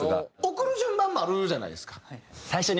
送る順番もあるじゃないですか。